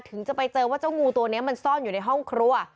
จะไปเจอว่าเจ้างูตัวนี้มันซ่อนอยู่ในห้องครัว